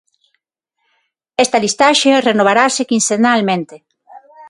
Esta listaxe renovarase quincenalmente.